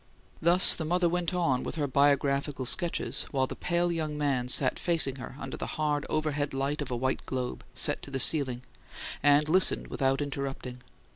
Thus the mother went on with her biographical sketches, while the pale young man sat facing her under the hard overhead light of a white globe, set to the ceiling; and listened without interrupting.